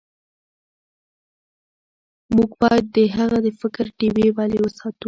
موږ باید د هغه د فکر ډیوې بلې وساتو.